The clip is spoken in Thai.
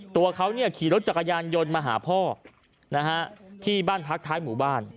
ตัวเขาขี่รถจักรยานยนต์มาหาพ่อที่บ้านพักท้ายหมู่บ้าน